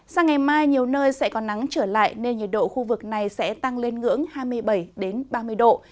sang ngày mai nhiều nơi sẽ có nắng trở lại nên nhiệt độ khu vực này sẽ tăng lên ngưỡng hai mươi bảy ba mươi độ